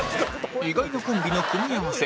意外なコンビの組み合わせ